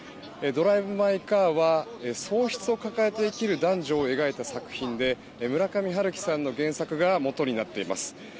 「ドライブ・マイ・カー」は喪失を抱えて生きる男女を描いた作品で村上春樹さんの原作がもとになっています。